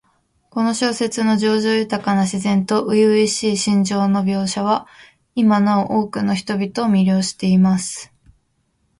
この小説の叙情豊かな自然と初々しい心情の描写は、今なお多くの人々を魅了しています。ここでは、